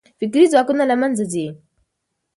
فکري ځواکونه له منځه ځي.